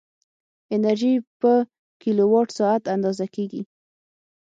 انرژي په کیلووات ساعت اندازه کېږي.